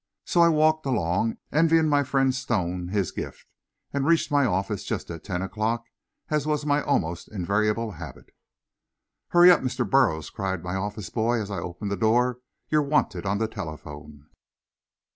So I walked along, envying my friend Stone his gift, and reached my office just at ten o'clock as was my almost invariable habit. "Hurry up, Mr. Burroughs!" cried my office boy, as I opened the door. "You're wanted on the telephone."